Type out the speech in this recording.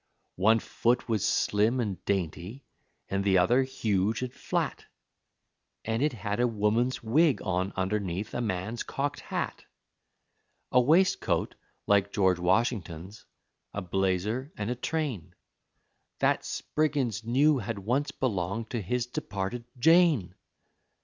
One foot was slim and dainty, and the other huge and flat, And it had a woman's wig on underneath a man's cocked hat; A waistcoat like George Washington's, a blazer and a train, That Spriggins knew had once belonged to his departed Jane!